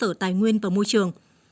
giám đốc sở tài nguyên và môi trường